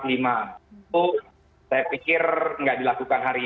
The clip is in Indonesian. itu saya pikir tidak dilakukan hari ini